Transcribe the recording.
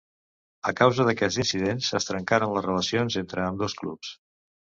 A causa d'aquests incidents es trencaren les relacions entre ambdós clubs.